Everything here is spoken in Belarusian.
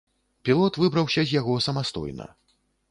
Пілот выбраўся з яго самастойна.